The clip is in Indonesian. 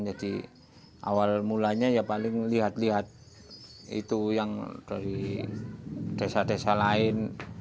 jadi awal mulanya ya paling lihat lihat itu yang dari desa desa lain